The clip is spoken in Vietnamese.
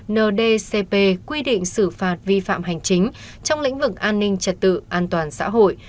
ndcp quy định xử phạt vi phạm hành chính trong lĩnh vực an ninh trật tự an toàn xã hội